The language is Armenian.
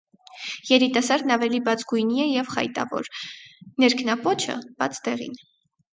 Երիտասարդն ավելի բաց գույնի է և խայտավոր, ներքնապոչը՝ բաց դեղին։